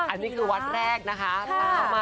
อันนี้คือวัดแรกนะคะ